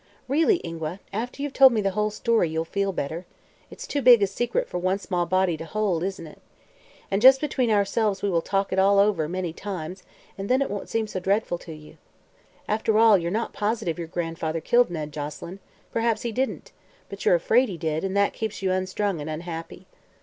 Really, Ingua, after you've told me the whole story you'll feel better. It's too big a secret for one small body to hold, isn't it? And just between ourselves we will talk it all over many times and then it won't seem so dreadful to you. And, after all, you're not positive your grandfather killed Ned Joselyn. Perhaps he didn't. But you're afraid he did, and that keeps you unstrung and unhappy.